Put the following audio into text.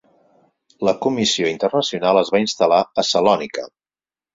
La comissió internacional es va instal·lar a Salònica.